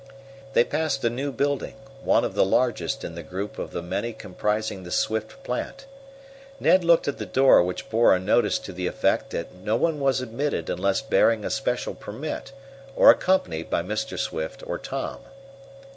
They passed a new building, one of the largest in the group of the many comprising the Swift plant. Ned looked at the door which bore a notice to the effect that no one was admitted unless bearing a special permit, or accompanied by Mr. Swift or Tom.